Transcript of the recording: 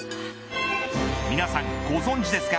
皆さんご存じですか。